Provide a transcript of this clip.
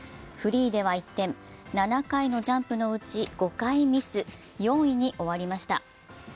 フリーでは一転、７回のジャンプのうち５回ミス、４位に終わりました。